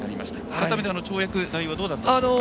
改めて跳躍の内容どうだったでしょうか。